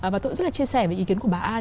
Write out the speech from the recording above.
và tôi cũng rất là chia sẻ với ý kiến của bà an